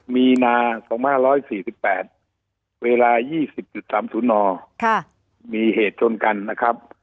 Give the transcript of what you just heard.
มีนา๒๕๔๘เวลา๒๐๓๐นมีเหตุชนกันนะครับ